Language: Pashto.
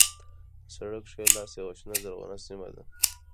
د سړک ښی لاس یوه شنه زرغونه سیمه ده.